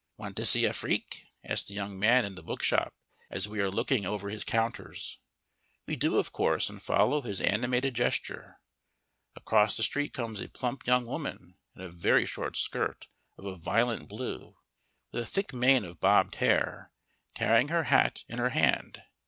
"Want to see a freak?" asks the young man in the bookshop as we are looking over his counters. We do, of course, and follow his animated gesture. Across the street comes a plump young woman, in a very short skirt of a violent blue, with a thick mane of bobbed hair, carrying her hat in her hand.